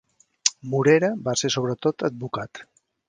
Morera va ser sobretot advocat.